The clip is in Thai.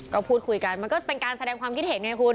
ก็พูดคุยกันมันก็เป็นการแสดงความคิดเห็นไงคุณ